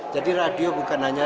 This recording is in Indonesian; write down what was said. jadi radio bukan hanya